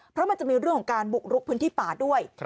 เพราะมันจะมีเรื่องของการบุกรุกพื้นที่ป่าด้วย